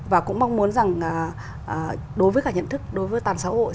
và cũng mong muốn rằng đối với cả nhận thức đối với toàn xã hội